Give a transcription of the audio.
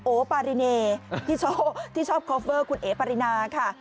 โอ้ปาริเนที่ชอบคอเฟอร์คุณเอ๊ะปารินาค่ะ